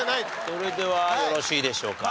それではよろしいでしょうか？